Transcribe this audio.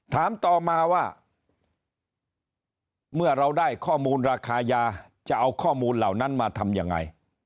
ถามต่อมาว่าเมื่อเราได้ข้อมูลราคายาจะเอาข้อมูลเหล่านั้นมาทำยังไง